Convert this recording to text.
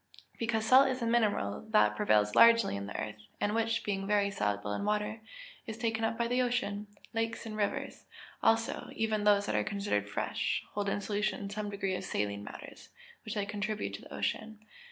_ Because salt is a mineral which prevails largely in the earth, and which, being very soluble in water, is taken up by the ocean. Lakes and rivers, also, even those that are considered fresh, hold in solution some degree of saline matters, which they contribute to the ocean.